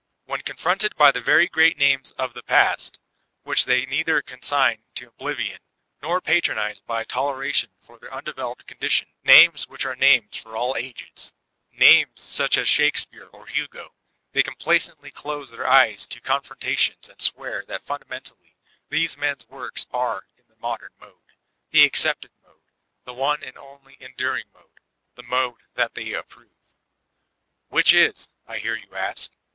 When confronted by the very great names of the Past, which they can neither consign to oblivion, nor patronize by toleration for their undeveloped condition, names which are names for all ages, which they need to use as conjuration words in their comparisons and criticisms, names such as Shakespeare or Hugo, they complacently close their eyes to contradictions and swear that fundamentally these men's works are m the muMtem mode, the accepted mode, the one aeid only enduring mode, the mode that they approve. ''Which isr—l hear you ask.